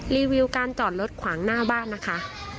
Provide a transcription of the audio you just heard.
รีวิวการจอดรถขวางหน้าบ้านนะคะ